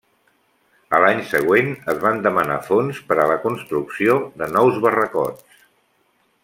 A l'any següent es van demanar fons per a la construcció de nous barracots.